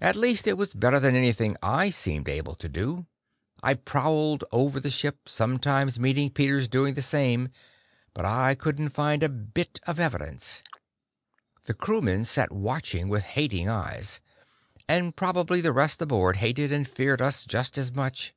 At least, it was better than anything I seemed able to do. I prowled over the ship, sometimes meeting Peters doing the same, but I couldn't find a bit of evidence. The crewmen sat watching with hating eyes. And probably the rest aboard hated and feared us just as much.